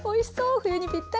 冬にぴったり。